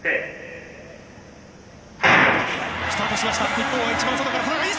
日本は一番外から。